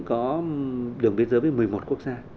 có đường biên giới với một mươi một quốc gia